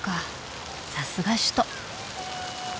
さすが首都。